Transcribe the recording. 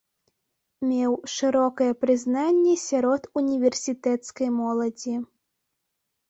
Меў шырокае прызнанне сярод універсітэцкай моладзі.